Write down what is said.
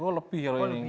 oh lebih ya kalau ini